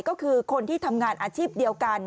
ก็คือคนที่ทำงานอาชีพเดียวกัน